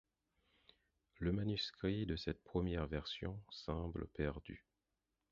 Le manuscrit de cette première version semblent perdu.